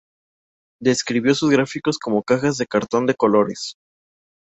Describió sus gráficos como "cajas de cartón de colores".